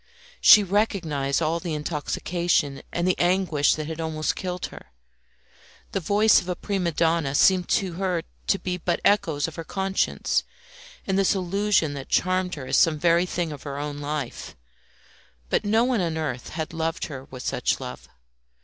She recognised all the intoxication and the anguish that had almost killed her. The voice of a prima donna seemed to her to be but echoes of her conscience, and this illusion that charmed her as some very thing of her own life. But no one on earth had loved her with such love.